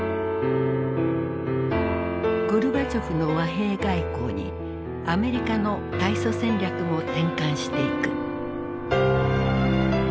ゴルバチョフの和平外交にアメリカの対ソ戦略も転換していく。